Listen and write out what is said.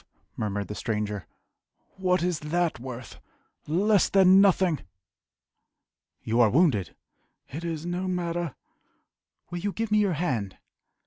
murmured the stranger "What is that worth? Less than nothing!" "You are wounded!" "It is no matter." "Will you give me your hand?"